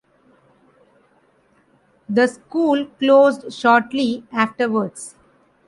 The school closed shortly afterwards.